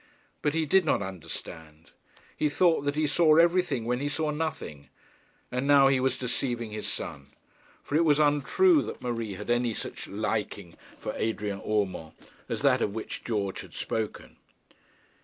But he did not understand. He thought that he saw everything when he saw nothing; and now he was deceiving his son; for it was untrue that Marie had any such 'liking' for Adrian Urmand as that of which George had spoken.